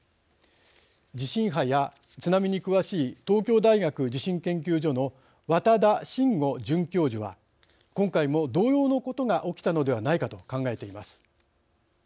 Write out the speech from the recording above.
地震波や津波に詳しい東京大学地震研究所の綿田辰吾准教授は今回も同様のことが起きたのではないかと考えています。